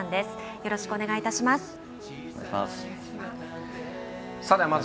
よろしくお願いします。